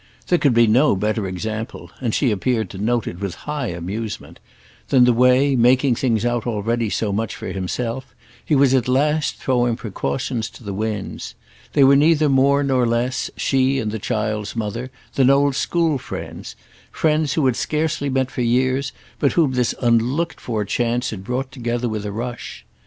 There could be no better example—and she appeared to note it with high amusement—than the way, making things out already so much for himself, he was at last throwing precautions to the winds. They were neither more nor less, she and the child's mother, than old school friends—friends who had scarcely met for years but whom this unlooked for chance had brought together with a rush.